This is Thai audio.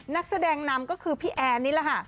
นักแสดงนำก็คือพี่แอนนี่แหละค่ะ